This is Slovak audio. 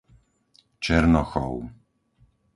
Černochov